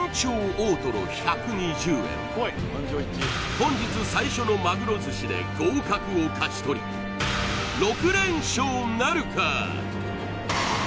本日最初のまぐろ寿司で合格を勝ち取り６連勝なるか？